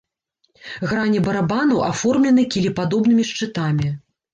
Грані барабанаў аформлены кілепадобнымі шчытамі.